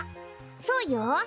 そうよ。